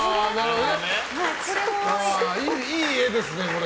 いい絵ですね、これ。